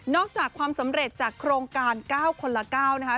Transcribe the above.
อกจากความสำเร็จจากโครงการ๙คนละ๙นะคะ